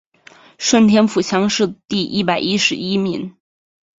顺天府乡试第一百十一名。